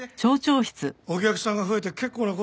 お客さんが増えて結構な事やないか。